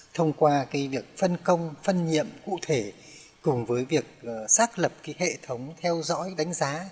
thông qua việc phân công phân nhiệm cụ thể cùng với việc xác lập hệ thống theo dõi đánh giá